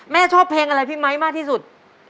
ชอบเพลงอะไรพี่ไมค์มากที่สุด